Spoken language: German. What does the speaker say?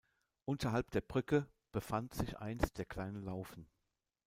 Unterhalb der Brücke befand sich einst der Kleine Laufen.